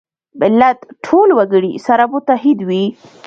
ملت ټول وګړي سره متحد وي.